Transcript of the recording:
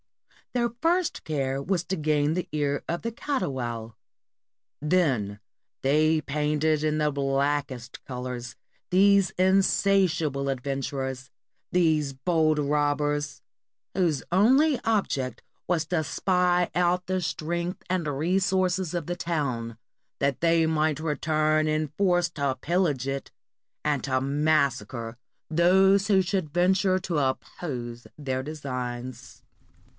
Their first care was to gain the ear of the Catoual; then they painted in the blackest colors these insatiable adventurers, these bold robbers, whose only object was to spy out the strength and re sources of the town, that they might return in force to 60s PORTUGAL pillage it, and to massacre those who should venture to oppose their designs.